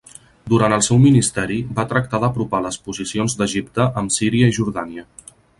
Durant el seu ministeri va tractar d'apropar les posicions d'Egipte amb Síria i Jordània.